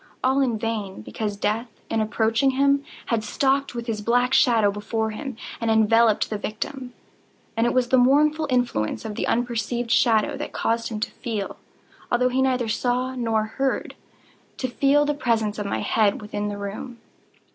All in vain; because Death, in approaching him had stalked with his black shadow before him, and enveloped the victim. And it was the mournful influence of the unperceived shadow that caused him to feel—although he neither saw nor heard—to feel the presence of my head within the room.